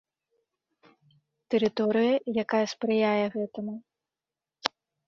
Тэрыторыя, якая спрыяе гэтаму.